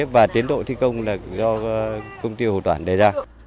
và tiến độ thi công